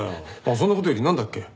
そんな事よりなんだっけ？